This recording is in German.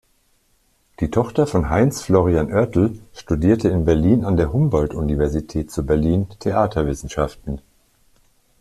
Die Tochter von Heinz-Florian Oertel studierte in Berlin an der Humboldt-Universität zu Berlin Theaterwissenschaften.